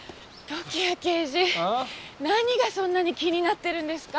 何がそんなに気になってるんですか？